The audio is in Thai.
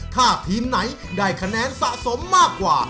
ถ้าทีมไหนได้คะแนนสะสมมากกว่า